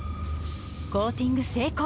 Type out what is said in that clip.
コーティング成功！